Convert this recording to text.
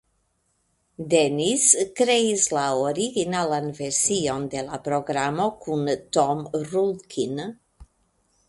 Dennis kreis la originalan version de la programo kun Tom Rudkin.